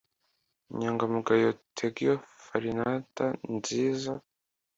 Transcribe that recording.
Inyangamugayo Tegghiajo Farinata nziza